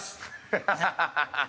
ハハハハ！